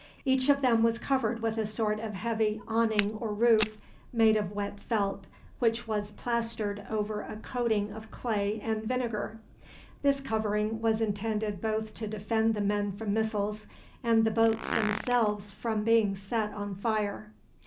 Each of them was covered with a sort of heavy awning or roof, made of wet felt, which was plastered over with a coating of clay and vinegar. This covering was intended both to defend the men from missiles and the boats themselves from being set on fire.